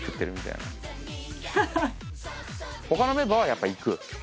他のメンバーはやっぱ行く。